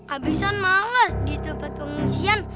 abisan males di tempat pengujian